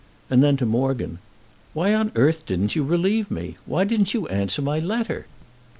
And then to Morgan: "Why on earth didn't you relieve me? Why didn't you answer my letter?"